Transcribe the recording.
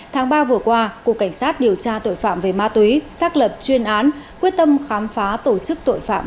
tháng ba vừa qua cục cảnh sát điều tra tội phạm về ma túy xác lập chuyên án quyết tâm khám phá tổ chức tội phạm